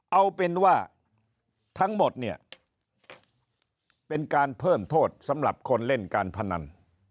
เอาเป็นว่าทั้งหมดเนี่ยเป็นการเพิ่มโทษสำหรับคนเล่นการพนัน